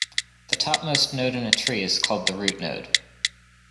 The topmost node in a tree is called the root node.